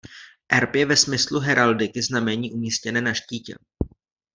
Erb je ve smyslu heraldiky znamení umístěné na štítě.